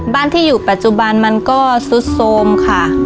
บ้านที่อยู่ปัจจุบันมันก็ซุดโทรมค่ะ